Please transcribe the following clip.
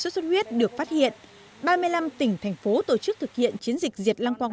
xuất xuất huyết được phát hiện ba mươi năm tỉnh thành phố tổ chức thực hiện chiến dịch diệt lăng quăng